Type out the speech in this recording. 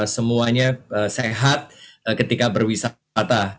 semuanya sehat ketika berwisata